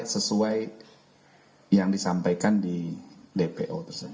sesuai yang disampaikan di dpo tersebut